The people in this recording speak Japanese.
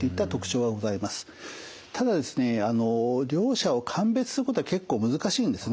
ただですね両者を鑑別することは結構難しいんですね。